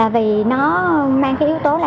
vì nó mang cái yếu tố là